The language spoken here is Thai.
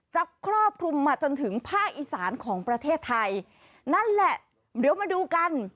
ครอบคลุมมาจนถึงภาคอีสานของประเทศไทยนั่นแหละเดี๋ยวมาดูกัน